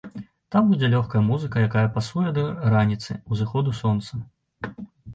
Там будзе лёгкая музыка, якая пасуе да раніцы, узыходу сонца.